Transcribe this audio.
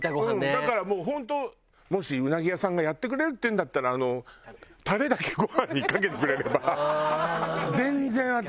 だからもう本当もしうなぎ屋さんがやってくれるっていうんだったらタレだけご飯にかけてくれれば全然私。